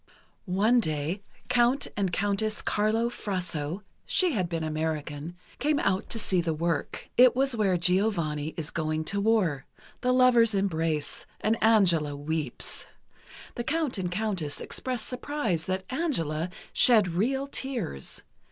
One day, Count and Countess Carlo Frasso (she had been American) came out to see the work. It was where Giovanni is going to war: the lovers embrace, and Angela weeps. The Count and Countess expressed surprise that "Angela" shed real tears.